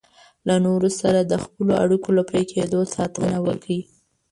له نورو سره د خپلو اړیکو له پرې کېدو ساتنه وکړئ.